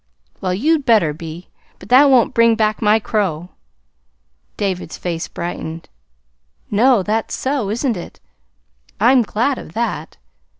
"Well, you'd better be. But that won't bring back my crow!" David's face brightened. "No, that's so, isn't it? I'm glad of that.